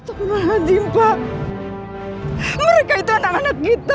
sampai jumpa di video selanjutnya